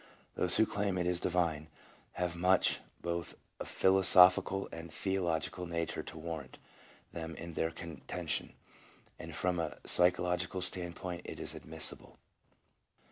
Those who claim it is divine, have much both of a philosophical and theological nature to warrant them in their contention, and from a psycho logical standpoint it is admissible.